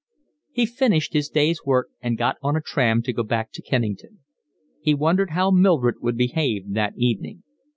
He finished his day's work and got on a tram to go back to Kennington. He wondered how Mildred would behave that evening.